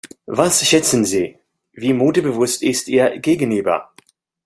Was schätzen Sie, wie modebewusst ist Ihr Gegenüber?